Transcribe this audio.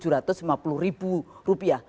rp tujuh ratus lima puluh ribu rupiah